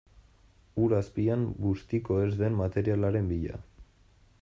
Ur azpian bustiko ez den materialaren bila.